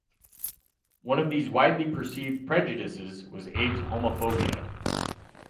One of these widely perceived prejudices was Abe's homophobia.